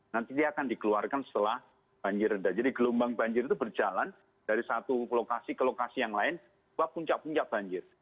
nanti dia akan dikeluarkan setelah banjir rendah jadi gelombang banjir itu berjalan dari satu lokasi ke lokasi yang lain sebab puncak puncak banjir